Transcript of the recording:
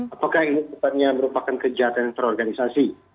apakah ini sepertinya merupakan kejahatan yang terorganisasi